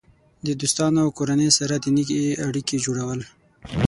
د دوستانو او کورنۍ سره د نیکې اړیکې جوړول.